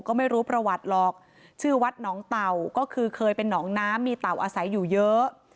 ก็ไม่รู้ประวัติหรอกชื่อวัดหนองเต่าก็คือเคยเป็นหนองน้ำมีเต่าอาศัยอยู่เยอะ